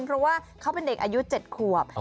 เพราะว่าเขาเป็นเด็กอายุ๗ขวบ